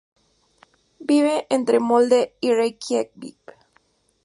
Vive entre Molde y Reikiavik.